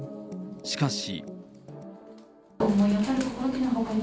しかし。